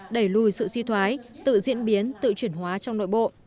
đẩy lùi sự suy thoái tự diễn biến tự chuyển hóa trong nội bộ